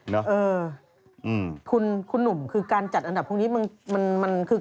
เออคุณหนุ่มคือการจัดอันดับพวกนี้มันคือ